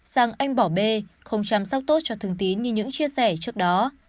rằng anh bỏ bê không chăm sóc tốt cho thường tín như những chia sẻ trước đó